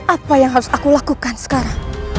apakah yang kamu mau lakukan ini